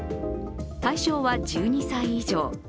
対象は１２歳以上。